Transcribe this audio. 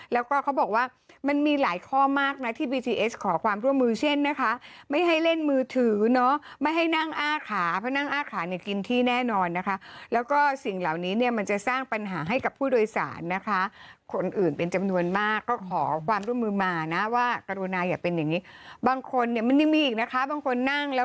แล้วก็เขาบอกว่ามันมีหลายข้อมากนะที่บีทีเอสขอความร่วมมือเช่นนะคะไม่ให้เล่นมือถือเนาะไม่ให้นั่งอ้าขาเพราะนั่งอ้าขาเนี่ยกินที่แน่นอนนะคะแล้วก็สิ่งเหล่านี้เนี่ยมันจะสร้างปัญหาให้กับผู้โดยสารนะคะคนอื่นเป็นจำนวนมากก็ขอความร่วมมือมานะว่ากรุณาอย่าเป็นอย่างนี้บางคนเนี่ยมันยังมีอีกนะคะบางคนนั่งแล้ว